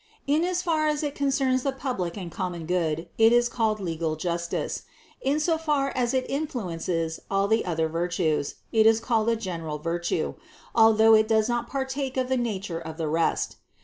In as far as it concerns the public and common good, it is called legal justice; in so far as it influences all the other virtues, it is called a general virtue, although it does not partake of the nature of the rest.